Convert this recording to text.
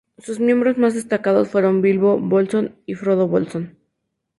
Sus miembros más destacados fueron Bilbo Bolsón y Frodo Bolsón.